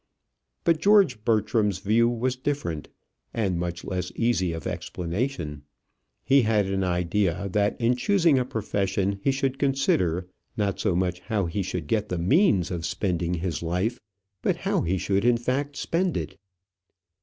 But George Bertram's view was different, and much less easy of explanation. He had an idea that in choosing a profession he should consider, not so much how he should get the means of spending his life, but how he should in fact spend it.